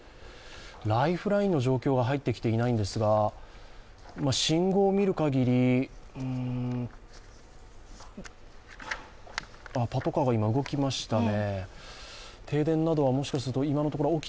ライフラインの状況は入ってきていないんですが信号を見るかぎりパトカーが今動きましたね。